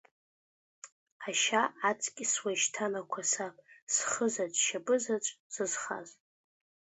Ашьа аҵкьысуа ишьҭан ақәасаб, схызаҵә шьапызаҵә зызхаз.